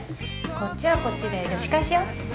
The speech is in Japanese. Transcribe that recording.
こっちはこっちで女子会しよう。